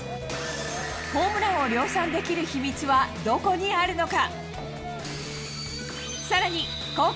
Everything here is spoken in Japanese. ホームランを量産できる秘密はどこにあるのか。